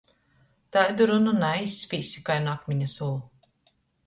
Taidu runu naizspīssi kai nu akmiņa sulu.